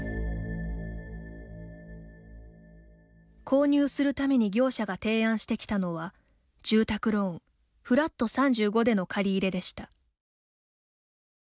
購入するために業者が提案してきたのは住宅ローンフラット３５での借り入れでした。